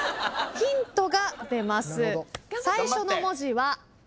ヒントが出ます。